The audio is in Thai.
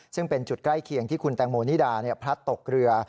ซึ่งเป็นจุดใกล้เคียงที่คุณแตงโมนิดาพลัดตกเรือ